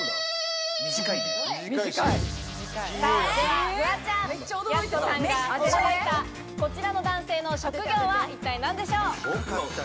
ではフワちゃん、やす子さんが驚いた、こちらの男性の職業は一体何でしょう？